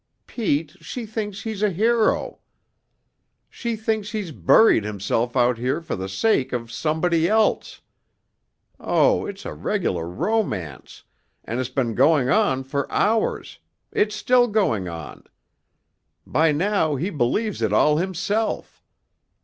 Pete, she thinks he's a hero. She thinks he's buried himself out here for the sake of somebody else. Oh, it's a regular romance, and it's been going on for hours it's still going on. By now he believes it all himself.